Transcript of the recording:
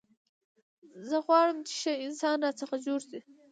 زه غواړم، چي ښه انسان راڅخه جوړ سي.